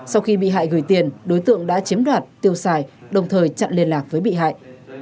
sau khi bị hại gửi tiền đối tượng đã chiếm đoạt tiêu xài đồng thời chặn liên lạc với bị hại